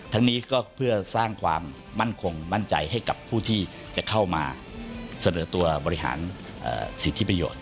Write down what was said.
ทั้งนี้ก็เพื่อสร้างความมั่นคงมั่นใจให้กับผู้ที่จะเข้ามาเสนอตัวบริหารสิทธิประโยชน